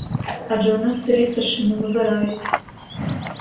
Адже у нас у селі старшину вибирають.